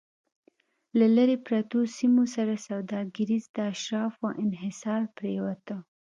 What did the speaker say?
له لرې پرتو سیمو سره سوداګري د اشرافو انحصار پرېوته